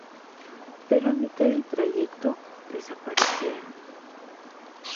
Pero a mitad de trayecto, desaparecieron.